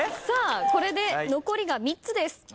さあこれで残りが３つです。